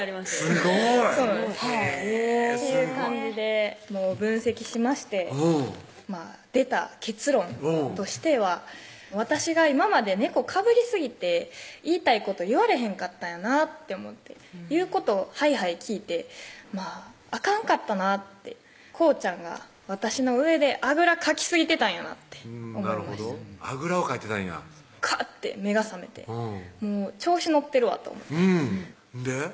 すごいそうなんですっていう感じで分析しまして出た結論としては私が今まで猫かぶりすぎて言いたいこと言われへんかったんやなと思って言うことはいはい聞いてあかんかったなってこうちゃんが私の上であぐらかきすぎてたんやなってなるほどあぐらをかいてたんやカッて目が覚めてもう調子乗ってるわと思ってうんほんで？